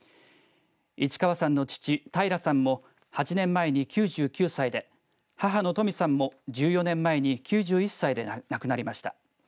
市川さんの父、平さんも８年前に９９歳で、母のトミさんも１４年前に９１歳で亡くなりました。